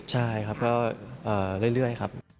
ใช่ครับเรื่อยนะครับ